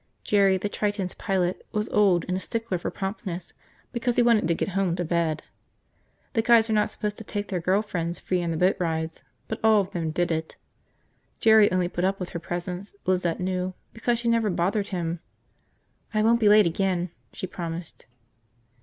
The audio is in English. Jerry, the Triton's pilot, was old and a stickler for promptness because he wanted to get home to bed. The guides were not supposed to take their girl friends free on the boat rides, but all of them did it. Jerry only put up with her presence, Lizette knew, because she never bothered him. "I won't be late again," she promised.